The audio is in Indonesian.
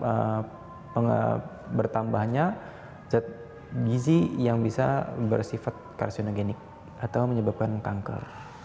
bayam itu adalah oksidasi yang menyebabkan bertambahnya zat gizi yang bisa bersifat karsionogenik atau menyebabkan kanker